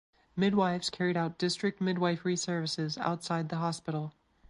Midwives carried out district midwifery services outside the hospital.